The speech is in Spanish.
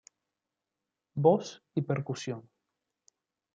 Voz y Percusión.